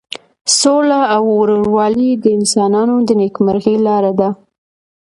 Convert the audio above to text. سوله او ورورولي د انسانانو د نیکمرغۍ لاره ده.